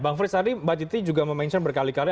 bang frits tadi mbak titi juga memention berkali kali